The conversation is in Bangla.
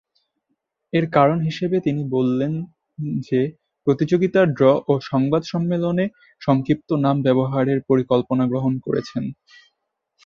এর কারণে হিসেবে তিনি বলেন যে, প্রতিযোগিতার ড্র ও সংবাদ সম্মেলনে সংক্ষিপ্ত নাম ব্যবহারের পরিকল্পনার গ্রহণ করেছেন।